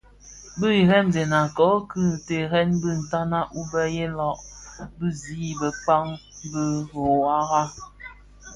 Di iremzëna kō ki terrèn bi ntanag wu mëlèya bi zi bëkpa dhi dhuwara.